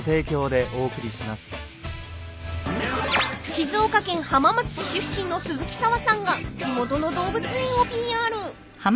［静岡県浜松市出身の鈴木砂羽さんが地元の動物園をＰＲ］